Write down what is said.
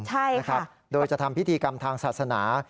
ใช่นะครับโดยจะทำพิธีกรรมทางศาสนา